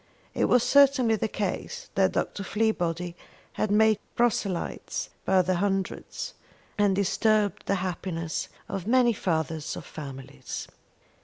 It was certainly the case that Dr. Fleabody had made proselytes by the hundred, and disturbed the happiness of many fathers of families.